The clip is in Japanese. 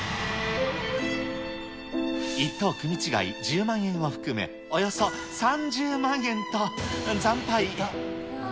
１等組違い１０万円を含め、およそ３０万円と惨敗。